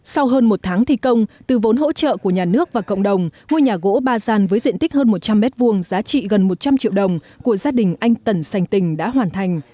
sau hơn một tháng thi công từ vốn hỗ trợ của nhà nước và cộng đồng ngôi nhà gỗ ba gian với diện tích hơn một trăm linh m hai giá trị gần một trăm linh triệu đồng của gia đình anh tẩn sành tình đã hoàn thành